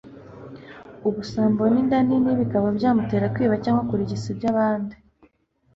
ubusambo n'inda nini bikaba byamutera kwiba cyangwa kurigisa iby'abandi